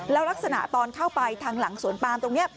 แล้วลักษณะตอนเข้าไปทางหลังสวนปามตรงนี้